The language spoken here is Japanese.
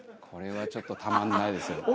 これはちょっとたまんないですよ。